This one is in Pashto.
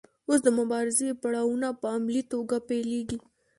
اوس د مبارزې پړاوونه په عملي توګه پیلیږي.